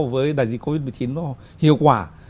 với đại dịch covid một mươi chín nó hiệu quả